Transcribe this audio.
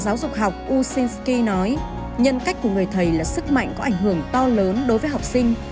một học ushensky nói nhân cách của người thầy là sức mạnh có ảnh hưởng to lớn đối với học sinh